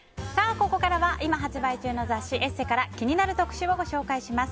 ここからは今発売中の雑誌「ＥＳＳＥ」から気になる特集をご紹介します。